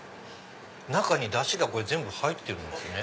中にダシが入ってるんですね